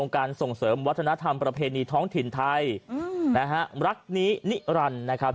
การส่งเสริมวัฒนธรรมประเพณีท้องถิ่นไทยนะฮะรักนินิรันดิ์นะครับ